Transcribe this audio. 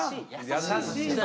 優しいの。